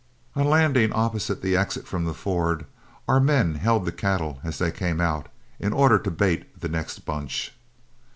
On landing opposite the exit from the ford, our men held the cattle as they came out, in order to bait the next bunch.